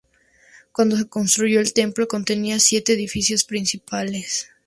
Cuando se construyó, el templo contenía siete edificios principales.